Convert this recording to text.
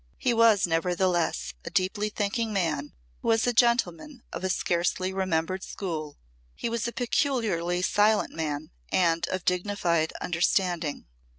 He was nevertheless a deeply thinking man who was a gentleman of a scarcely remembered school; he was a peculiarly silent man and of dignified understanding.